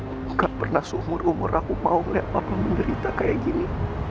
aku gak pernah seumur umur aku mau ngeliat papa menderita kayak gini